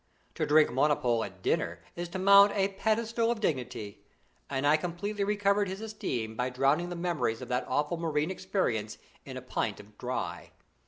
To drink Monopole at dinner is to mount a pedestal of dignity, and I completely recovered his esteem by drowning the memories of that awful marine experience in a pint of 'dry.'